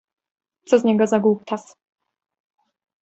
Co z niego za głuptas.